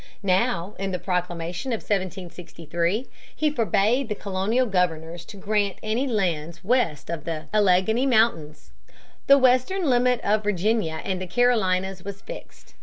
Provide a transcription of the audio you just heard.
Now in the Proclamation of 1763 he forbade the colonial governors to grant any lands west of the Alleghany Mountains. The western limit of Virginia and the Carolinas was fixed.